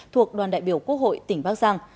thuộc đoàn đại biểu quốc hội tỉnh bắc giang